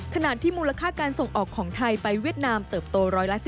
ขณะที่มูลค่าการส่งออกของไทยไปเวียดนามเติบโต๑๑